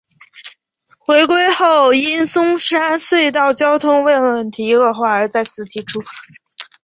回归后因松山隧道交通问题恶化而再次提出。